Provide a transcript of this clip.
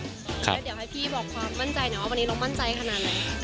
แล้วเดี๋ยวให้พี่บอกความมั่นใจหน่อยว่าวันนี้เรามั่นใจขนาดไหน